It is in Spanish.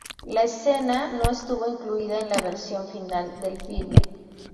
La escena no estuvo incluida en la versión final del filme.